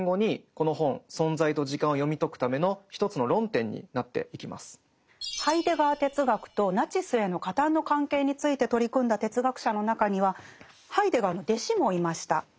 でそうなりますと彼の哲学の一体ハイデガー哲学とナチスへの加担の関係について取り組んだ哲学者の中にはハイデガーの弟子もいました。